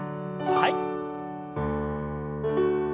はい。